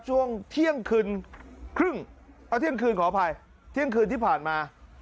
ช่วงเที่ยงคืนครึ่งเอาเที่ยงคืนขออภัยเที่ยงคืนที่ผ่านมา